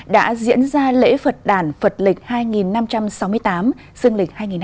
đã diễn ra lễ phật đản phật lịch hai nghìn năm trăm sáu mươi tám dương lịch hai nghìn hai mươi bốn